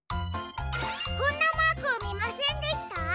こんなマークをみませんでした？